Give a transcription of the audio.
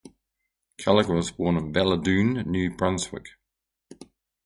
Culligan was born in Belledune, New Brunswick.